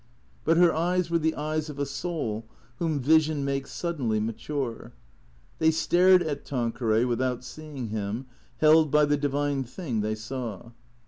But her eyes were the eyes of a soul whom vision makes suddenly mature. They stared at Tanqueray without seeing him, held by the divine thing they saw.